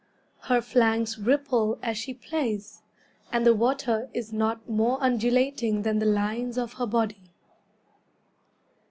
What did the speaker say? Her flanks ripple as she plays, And the water is not more undulating Than the lines of her body.